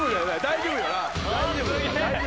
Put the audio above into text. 大丈夫よな？